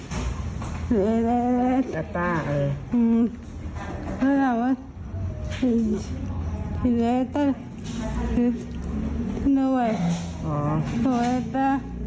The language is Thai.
พี่สาวของเธอบอกว่ามันเกิดอะไรขึ้นกับพี่สาวของเธอ